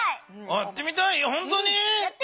やってみたい！